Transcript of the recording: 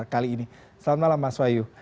kali ini selamat malam mas wahyu